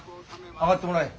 上がってもらい。